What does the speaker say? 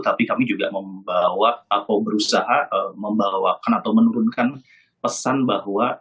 tapi kami juga membawa atau berusaha membawakan atau menurunkan pesan bahwa